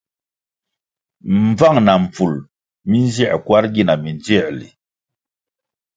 Mbvang na mpful mi nzier kwar gina mindzierli.